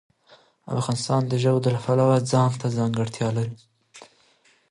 افغانستان د ژبو د پلوه ځانته ځانګړتیا لري.